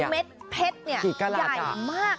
เม็ดเพชรเนี่ยใหญ่มาก